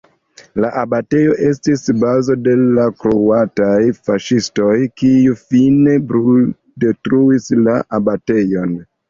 La abatejo estis bazo de la kroataj faŝistoj, kiuj fine bruldetruis la abatejon.